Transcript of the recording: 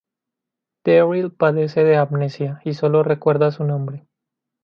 Daryl padece de amnesia, y solo recuerda su nombre.